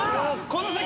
この先。